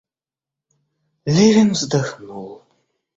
Левин вздохнул.